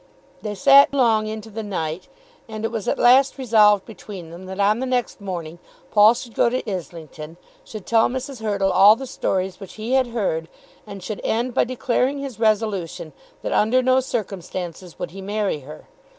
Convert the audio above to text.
They sat long into the night, and it was at last resolved between them that on the next morning Paul should go to Islington, should tell Mrs. Hurtle all the stories which he had heard, and should end by declaring his resolution that under no circumstances would he marry her.